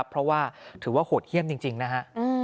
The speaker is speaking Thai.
เพราะว่าถือว่าโหดเยี่ยมจริงนะฮะ